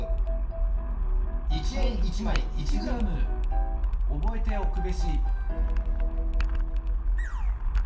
おぼえておくべし！